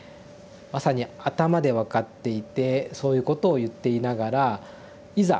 まさに頭で分かっていてそういうことを言っていながらいざ